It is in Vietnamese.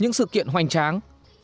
những sự kiện hoành tráng